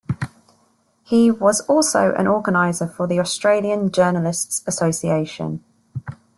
He was also an organiser for the Australian Journalists' Association.